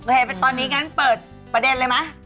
โอเคตอนนี้อย่างนั้นเปิดประเด็นเลยไหม